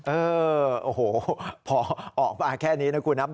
เออโอ้โหพอออกมาแค่นี้นะคุณนะ